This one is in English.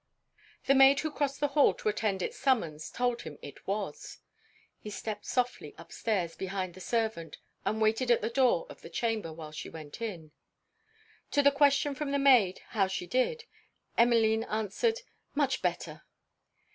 The maid, who crossed the hall to attend it's summons, told him it was. He stepped softly up stairs behind the servant, and waited at the door of the chamber while she went in. To the question, from the maid, 'how she did?' Emmeline answered, 'much better.'